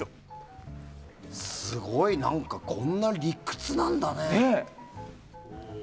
すごい、何かこんな理屈なんだね。